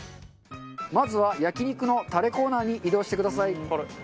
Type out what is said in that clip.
まずは焼肉のタレコーナーに移動してください。